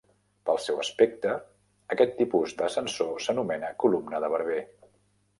Pel seu aspecte, aquest tipus de sensor s'anomena "columna de barber".